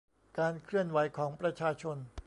การเคลื่อนไหวของประชาชน